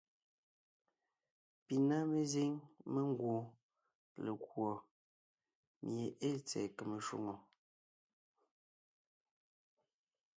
Pi ná mezíŋ mengwoon lekùɔ mie ée tsɛ̀ɛ kème shwòŋo.